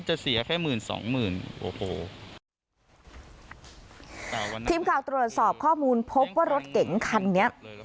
ทีมข่าวตรวจสอบข้อมูลพบว่ารถเก๋งคันนี้